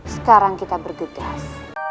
sekarang kita bergegas